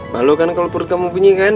malu kan kalau perut kamu bunyi kan